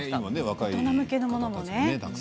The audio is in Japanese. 大人向けのものもね